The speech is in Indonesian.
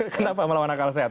kenapa melawan akal sehat